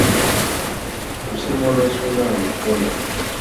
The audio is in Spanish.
Su símbolo es una amapola.